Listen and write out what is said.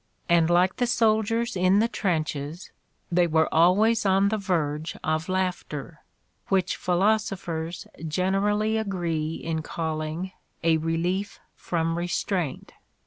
And, like the soldiers in the trenches, they were always on the verge of laugh ter, which philosophers generally agree in calling a re lief from restraint.